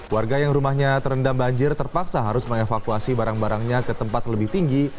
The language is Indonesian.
warga yang rumahnya terendam banjir terpaksa harus mengevakuasi barang barangnya ke tempat lebih tinggi